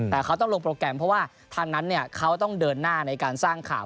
แต่เขาต้องลงโปรแกรมเพราะว่าทางนั้นเขาต้องเดินหน้าในการสร้างข่าว